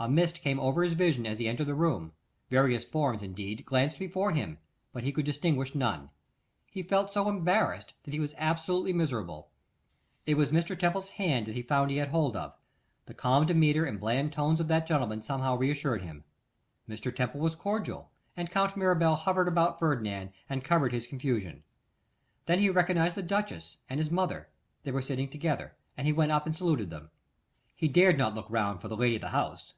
A mist came over his vision as he entered the room; various forms, indeed, glanced before him, but he could distinguish none. He felt so embarrassed, that he was absolutely miserable. It was Mr. Temple's hand that he found he had hold of; the calm demeanour and bland tones of that gentleman somewhat reassured him. Mr. Temple was cordial, and Count Mirabel hovered about Ferdinand, and covered his confusion. Then he recognised the duchess and his mother; they were sitting together, and he went up and saluted them. He dared not look round for the lady of the house.